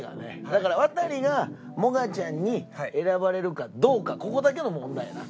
だからワタリがもがちゃんに選ばれるかどうかここだけの問題やな。